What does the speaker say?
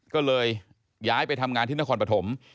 ก็เลยย้ายไปทำงานที่นครปฐม